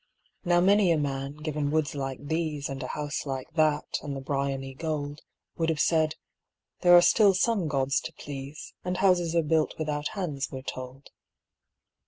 Now many a man, given woods like these, And a house like that, and the Briony gold, Would have said, "There are still some gods to please, And houses are built without hands, we're told."